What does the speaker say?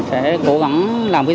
các bác sĩ đã góp sức